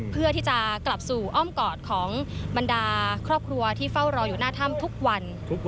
เพื่อที่จะกลับสู่อ้อมกอดของบรรดาครอบครัวที่เฝ้ารออยู่หน้าถ้ำทุกวัน